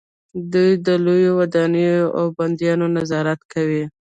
دوی د لویو ودانیو او بندونو نظارت کوي.